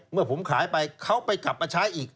เมื่อผมขายไปเขาไปกลับมาใช้อีก